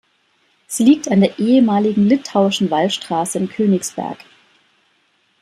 Sie liegt an der ehemaligen Litauischen Wallstraße in Königsberg.